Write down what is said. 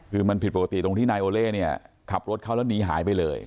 คือมันผิดปกติตรงที่นายโอเล่เนี่ยขับรถเขาแล้วหนีหายไปเลย